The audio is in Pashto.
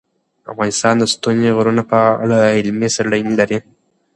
افغانستان د ستوني غرونه په اړه علمي څېړنې لري.